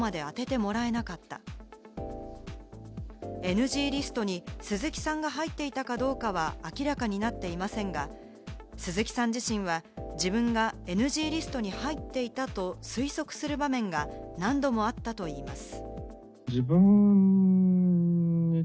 ＮＧリストに鈴木さんが入っていたかどうかは明らかになっていませんが、鈴木さん自身は自分がＮＧリストに入っていたと推測する場面が、何度もあったといいます。